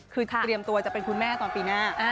คือเตรียมตัวจะเป็นคุณแม่ตอนปีหน้า